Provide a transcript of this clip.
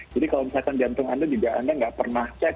jadi kalau misalkan jantung anda juga anda nggak pernah cek